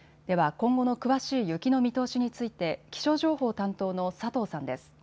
では今後の詳しい雪の見通しについて気象情報担当の佐藤さんです。